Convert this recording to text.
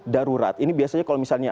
darurat ini biasanya kalau misalnya